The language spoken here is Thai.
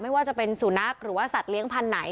ไม่ว่าจะเป็นสุนัขหรือว่าสัตว์เลี้ยงพันธุ์ไหน